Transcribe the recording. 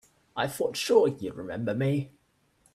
I thought sure you'd remember me.